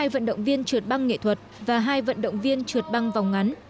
hai vận động viên trượt băng nghệ thuật và hai vận động viên trượt băng vòng ngắn